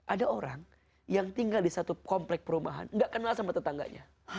ada orang yang tinggal di satu komplek perumahan gak kenal sama tetangganya